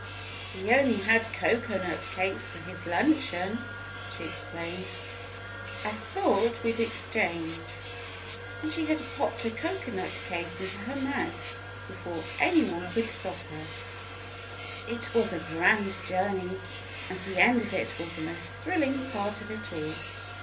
"He only had cocoanut cakes for his luncheon," she explained. "I thought we'd exchange." And she had popped a cocoanut cake into her mouth before any one could stop her. 76 THE BLUE AUNT It was a grand journey ! And the end of it was the most thrilling part of all.